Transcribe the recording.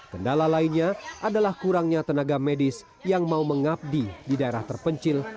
kendala lainnya adalah kurangnya tenaga medis yang mau mengabdi di daerah terpencil